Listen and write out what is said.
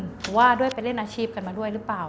เพราะว่าด้วยไปเล่นอาชีพกันมาด้วยหรือเปล่า